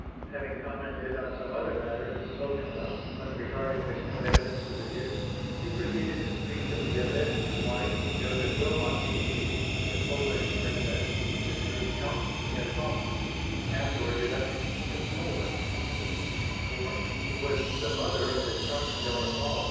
Having commented on some other matters spoken of, but regarding which no evidence was adduced, he proceeded to speak of the alleged wife of Joseph Wilmot D. D., the Polish Princess, sister of Count Poniatowski, afterwards elected King of Poland (1764), who was the mother of his charming daughter, Olive.